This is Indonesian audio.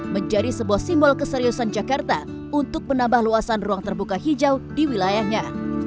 menjadi sebuah simbol keseriusan jakarta untuk menambah luasan ruang terbuka hijau di wilayahnya